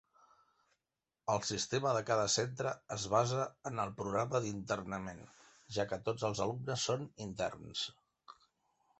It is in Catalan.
El sistema de cada centre es basa en el programa d'internament, ja que tots els alumnes són interns.